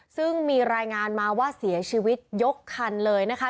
ซึ่งมีรายงานมาว่าเสียชีวิตยกคันเลยนะคะ